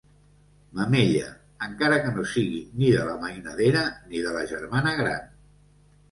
Mamella, encara que no sigui ni de la mainadera ni de la germana gran.